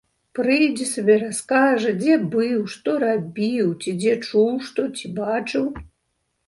Прыйдзе сабе, раскажа, дзе быў, што рабіў ці дзе чуў што ці бачыў.